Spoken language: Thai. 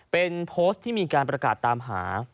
เป็นโพสต์ที่มีการประกาศตามหา